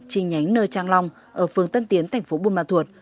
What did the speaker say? trình nhánh nơi trang long ở phường tân tiến thành phố bông ma thuột